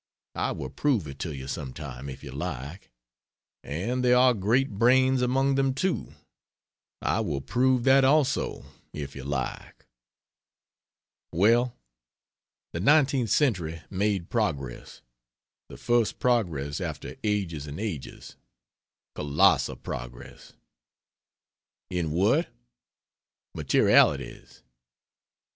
I will prove it to you, some time, if you like. And there are great brains among them, too. I will prove that also, if you like. Well, the 19th century made progress the first progress after "ages and ages" colossal progress. In what? Materialities.